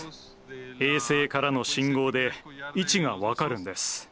衛星からの信号で位置が分かるんです。